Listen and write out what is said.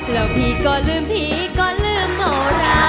แล้วพี่ก็ลืมผีก็ลืมโนรา